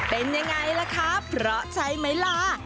เป็นยังไงล่ะครับเพราะใช่ไหมล่ะ